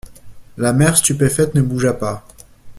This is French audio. La mère stupéfaite ne bougea pas.